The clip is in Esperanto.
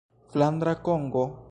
Flandra Kongo?